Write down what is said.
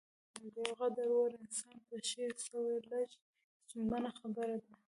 د يو قدر وړ انسان په شعر څه ويل لږه ستونزمنه خبره ده.